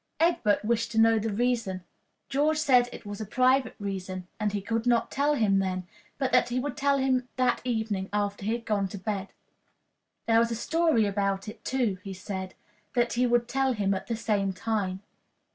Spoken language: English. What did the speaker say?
Egbert wished to know the reason. George said it was a private reason and he could not tell him then, but that he would tell him that evening after he had gone to bed. There was a story about it, too, he said, that he would tell him at the same time.